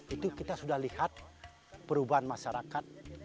itu kita sudah lihat perubahan masyarakat